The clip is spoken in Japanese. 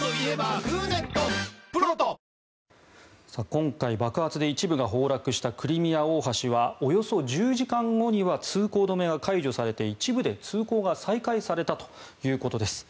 今回爆発で一部が崩落したクリミア大橋はおよそ１０時間後には通行止めが解除されて一部が通行が再開されたということです。